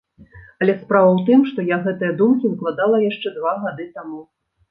Але справа ў тым, што я гэтыя думкі выкладала яшчэ два гады таму.